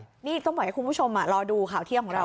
นี่ต้องบอกให้คุณผู้ชมรอดูข่าวเที่ยงของเรา